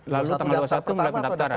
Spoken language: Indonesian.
lalu tanggal dua puluh satu mulai pendaftaran